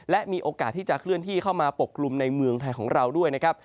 และมีโอกาสที่จะเคลื่อนที่เข้ามาปกกลุ่มในเมืองไทยของเราด้วยนะครับ